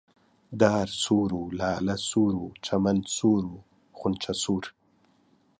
دار سوور و لالە سوور و چەمەن سوور و خونچە سوور